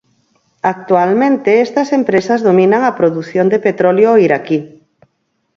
Actualmente estas empresas dominan a produción de petróleo iraquí.